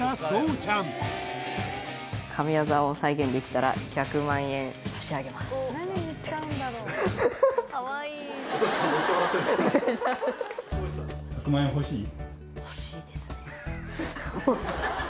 ちゃん「神業を再現できたら１００万円差し上げます」という欲しい？